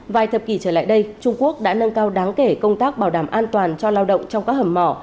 vài thập kỷ trở lại đây trung quốc đã nâng cao đáng kể công tác bảo đảm an toàn cho lao động trong các hầm mỏ